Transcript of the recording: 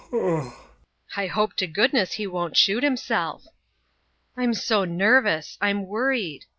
I hope to goodness he won't shoot himself. I'm so nervous, I'm worried.